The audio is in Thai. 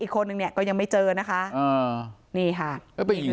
อีกคนหนึ่งเนี้ยก็ยังไม่เจอนะคะอ่านี่ค่ะก็ไปยิง